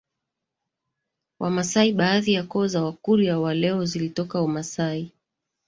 Wamasai baadhi ya koo za Wakurya wa leo zilitoka Umasai